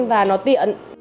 và nó tiện